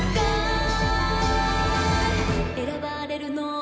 「選ばれるのは」